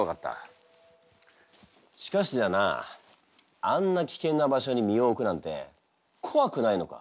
しかしだなあんな危険な場所に身を置くなんて怖くないのか？